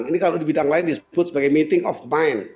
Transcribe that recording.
ini kalau di bidang lain disebut sebagai meeting of mind